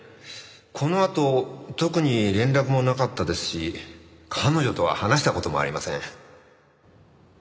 このあと特に連絡もなかったですし彼女とは話した事もありません。